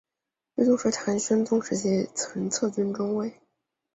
王宗实唐宣宗时期神策军中尉。